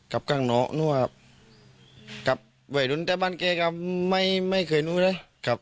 กลับกลางโน้นก็น่วงครับกลับไว้ดนตรีบ้านแกก็ไม่เคยรู้เลย